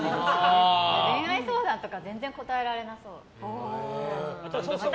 恋愛相談とか全然答えられなさそう。